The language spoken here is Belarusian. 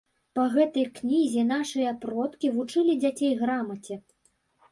Па гэтай кнізе нашыя продкі вучылі дзяцей грамаце.